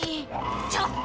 ちょっと！